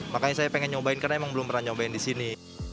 makanya saya pengen nyobain karena emang belum pernah nyobain di sini